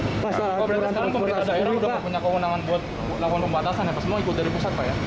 kalau berada di daerah sudah punya keundangan buat lakukan pembatasan